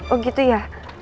oh gitu ya